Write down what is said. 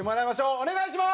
お願いします！